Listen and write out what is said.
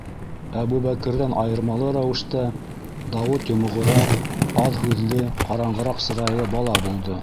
Әбүбәкерҙән айырмалы рәүештә, Дауыт йомоғораҡ, аҙ һүҙле, ҡараңғыраҡ сырайлы бала булды.